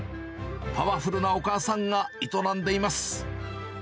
パワフルなお母さんが営んでいます。